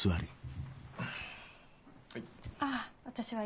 はい。